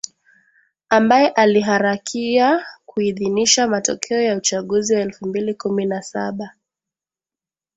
ambaye aliharakia kuidhinisha matokeo ya uchaguzi wa elfu mbili kumi na saba